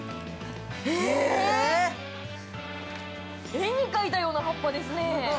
絵に描いたような葉っぱですね。